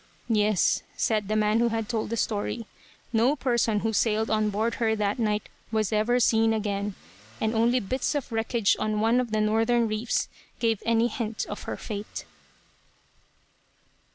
"Yes," said the man who had told the story. "No person who sailed on board of her that night was ever seen again; and only bits of wreckage on one of the northern reefs gave any hint of her fate."